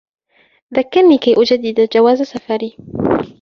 ذكّرني كي أجدّد جواز سفري.